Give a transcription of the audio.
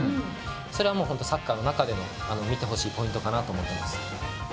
それはもうホントサッカーの中でも見てほしいポイントかなと思ってます。